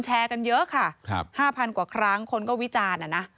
แชร์กันเยอะค่ะ๕๐๐กว่าครั้งคนก็วิจารณ์นะ